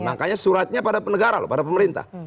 makanya suratnya pada negara loh pada pemerintah